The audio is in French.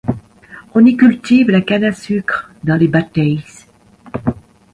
On y cultive la canne à sucre dans les bateys.